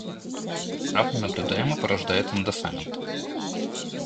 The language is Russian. Штраф ненаблюдаемо порождает индоссамент